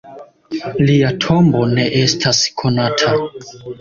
Lia tombo ne estas konata.